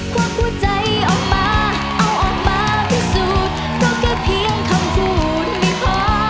ความผู้ใจออกมาเอาออกมาที่สุดก็เพียบเพียงคำพูดไม่พอ